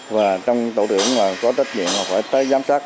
và trong tổ trưởng có trách nhiệm phải tới giám sát